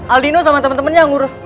aldino sama temen temennya yang ngurus